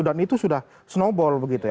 dan itu sudah snowball begitu ya